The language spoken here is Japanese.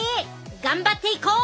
頑張っていこう！